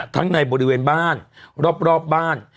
ในบริเวณบ้านรอบบ้าน